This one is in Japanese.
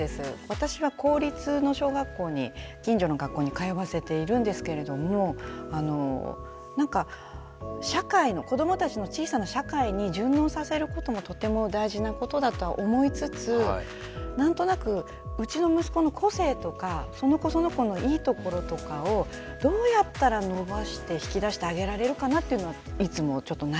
私は公立の小学校に近所の学校に通わせているんですけれどもなんか社会の子どもたちの小さな社会に順応させることもとても大事なことだとは思いつつ何となくうちの息子の個性とかその子その子のいいところとかをどうやったら伸ばして引き出してあげられるかなっていうのはいつもちょっと悩んでいますね。